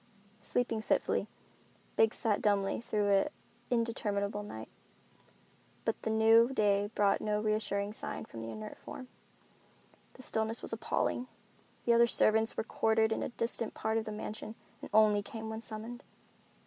Sleeping fitfully, Biggs sat dumbly through an interminable night, but the new day brought no reassuring sign from the inert form. The stillness was appalling. The other servants were quartered in a distant part of the mansion and only came when summoned.